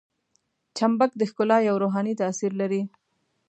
چمبک د ښکلا یو روحاني تاثیر لري.